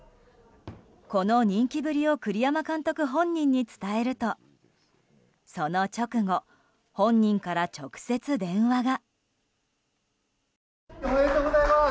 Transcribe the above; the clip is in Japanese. この人気ぶりを栗山監督本人に伝えるとその直後、本人から直接電話が。